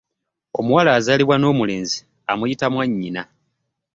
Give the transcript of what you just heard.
Omuwala azaalibwa n'omulenzi amuyita mwannyina.